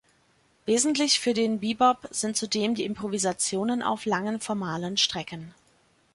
Wesentlich für den Bebop sind zudem die Improvisationen auf langen formalen Strecken.